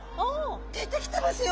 出てきてますよ！